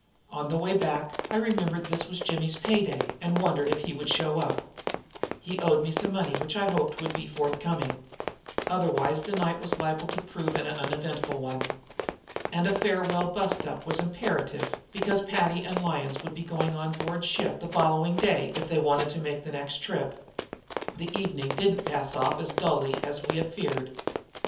On the way back I remembered this was Jimmy's pay day and wondered if he would show up. He owed me some money which I hoped would be forthcoming. Otherwise the night was liable to prove an uneventful one. And a farewell bust up was imperative because Paddy and Lyons would have to go on board ship the following day if they wanted to make the next trip. The evening didn't pass off as dully as we had feared.